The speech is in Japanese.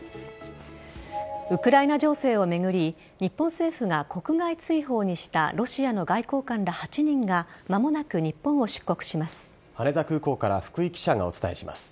ウクライナ情勢を巡り日本政府が国外追放にしたロシアの外交官ら８人が間もなく日本を出国します。